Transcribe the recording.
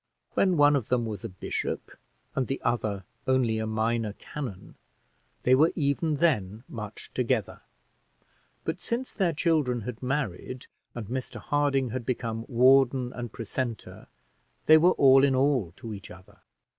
When one of them was a bishop and the other only a minor canon they were even then much together; but since their children had married, and Mr Harding had become warden and precentor, they were all in all to each other.